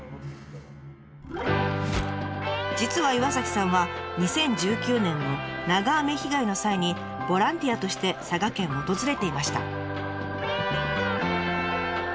実は岩さんは２０１９年の長雨被害の際にボランティアとして佐賀県を訪れていました。